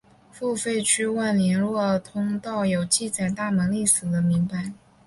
付费区外联络通道有记载大门历史的铭版。